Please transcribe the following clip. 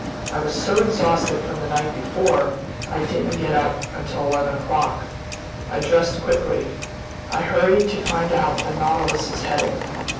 I was so exhausted from the night before, I didn't get up until eleven o'clock. I dressed quickly. I hurried to find out the Nautilus's heading.